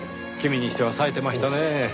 君にしては冴えてましたねぇ。